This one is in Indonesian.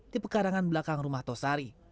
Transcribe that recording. di pekarangan belakang rumah tosari